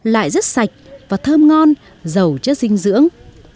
lại rất sạch và thơm ngon giàu chất dinh dưỡng